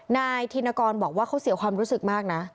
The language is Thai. นายธินกรบอกว่าเขาเสียความรู้สึกมากนะ